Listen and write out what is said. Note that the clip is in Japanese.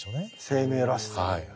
生命らしさ。